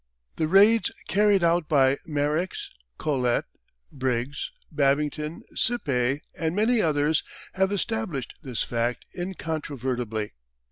The raids carried out by Marix, Collet, Briggs, Babington, Sippe and many others have established this fact incontrovertibly.